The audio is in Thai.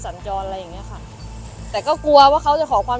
สวัสดีครับที่ได้รับความรักของคุณ